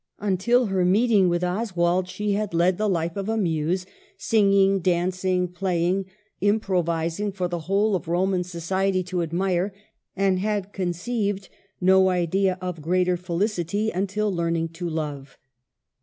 Until her meeting with Oswald she had led the life of a muse, singing, dancing, playing, improvising for the whole of Roman society to admire, and had conceived no idea of greater felicity until learning to love.